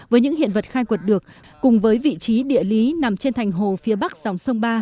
với những hiện vật khai quật được cùng với vị trí địa lý nằm trên thành hồ phía bắc dòng sông ba